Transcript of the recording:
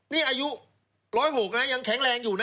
นี่อายุ๑๐๖นะยังแข็งแรงอยู่นะ